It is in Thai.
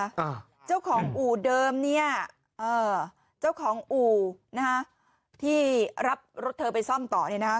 อ่าเจ้าของอู่เดิมเนี้ยเอ่อเจ้าของอู่นะฮะที่รับรถเธอไปซ่อมต่อเนี่ยนะคะ